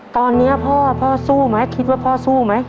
ตอนนี้พ่อพ่อสู้ไหมคิดว่าพ่อสู้ไหม